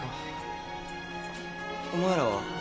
お前らは？